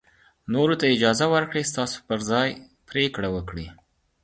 نورو ته اجازه ورکړئ چې ستاسو پر ځای پرېکړه وکړي.